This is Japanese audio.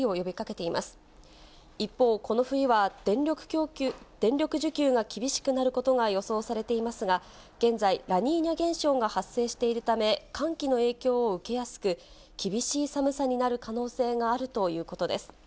一方、この冬は電力需給が厳しくなることが予想されていますが、現在、ラニーニャ現象が発生しているため、寒気の影響を受けやすく、厳しい寒さになる可能性があるということです。